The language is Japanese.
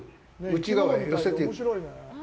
内側へ寄せていく。